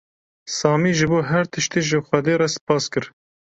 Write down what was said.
Samî ji bo her tiştî ji Xwedê re spas kir.